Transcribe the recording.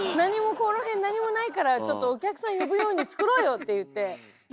この辺何もないからちょっとお客さん呼ぶようにつくろうよって言って。